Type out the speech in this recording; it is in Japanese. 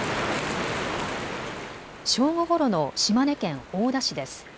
正午ごろの島根県大田市です。